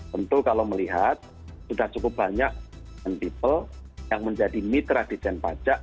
tentu kalau melihat sudah cukup banyak people yang menjadi mitra di jen pajak